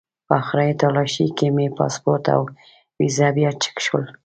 په آخري تالاشۍ کې مې پاسپورټ او ویزه بیا چک شول.